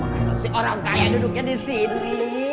masa sih orang kaya duduknya disini